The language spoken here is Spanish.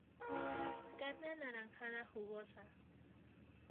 Carne anaranjada; jugosa.